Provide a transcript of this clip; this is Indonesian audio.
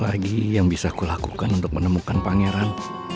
apa lagi yang bisa kulakukan untuk menemukan pangeran